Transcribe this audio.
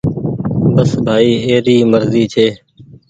بس ڀآئي اي ري مرزي ڇي۔